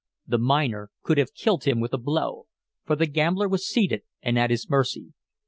The miner could have killed him with a blow, for the gambler was seated and at his mercy.